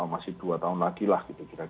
masih dua tahun lagi lah